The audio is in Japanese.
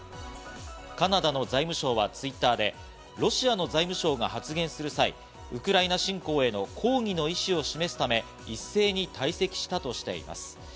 カナダの財務相はＴｗｉｔｔｅｒでロシアの財務省が発現する際、ウクライナ侵攻への抗議の意思を示すため、一斉に退席したとしています。